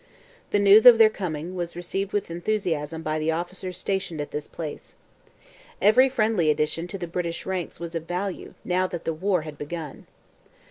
The news of their coming was received with enthusiasm by the officers stationed at this place. Every friendly addition to the British ranks was of value now that war had begun.